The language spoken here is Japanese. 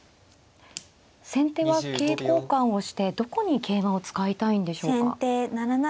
先手は桂交換をしてどこに桂馬を使いたいんでしょうか。